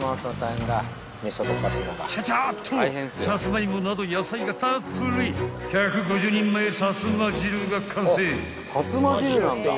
［ちゃちゃっとサツマイモなど野菜がたっぷり１５０人前さつま汁が完成］